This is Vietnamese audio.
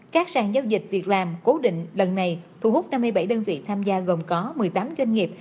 các sàn giao dịch việc làm cố định lần này thu hút năm mươi bảy đơn vị tham gia gồm có một mươi tám doanh nghiệp